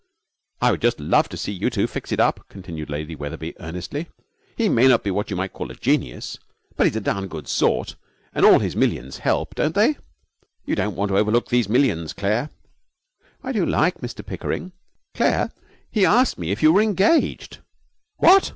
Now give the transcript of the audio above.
'I would just love to see you two fix it up,' continued Lady Wetherby, earnestly. 'He may not be what you might call a genius, but he's a darned good sort; and all his millions help, don't they? You don't want to overlook these millions, Claire!' 'I do like Mr Pickering.' 'Claire, he asked me if you were engaged.' 'What!'